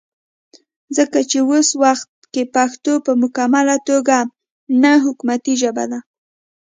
ځکه چې وس وخت کې پښتو پۀ مکمله توګه نه حکومتي ژبه ده